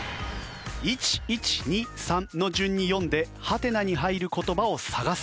１１２３の順に読んで「ハテナ」に入る言葉を探せ。